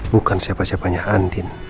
bukan siapa siapanya andin